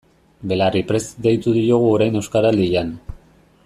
Belarriprest deitu diogu orain Euskaraldian.